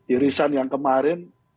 irisan yang kemarin